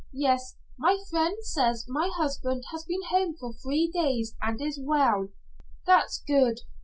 Yes, my friend says my husband has been home for three days and is well." "That's good.